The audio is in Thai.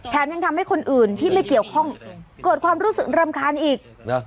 ยังทำให้คนอื่นที่ไม่เกี่ยวข้องเกิดความรู้สึกรำคาญอีกนะ